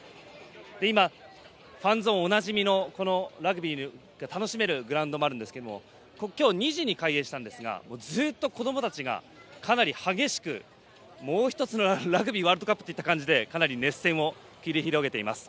今、ファンゾーンおなじみのラグビーを楽しめるグラウンドもあるんですが今日２時に開園したんですがずっと、子どもたちがかなり激しくもう１つのラグビーワールドカップといった感じでかなり熱戦を繰り広げています。